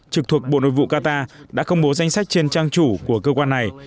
trực thuộc bộ nội vụ qatar đã công bố danh sách trên trang chủ của cơ quan này